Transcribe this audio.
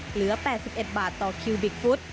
เหลือ๘๑บาทต่อคิวบิกฟุต